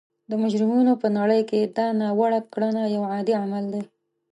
د مجرمینو په نړۍ کې دا ناوړه کړنه یو عادي عمل دی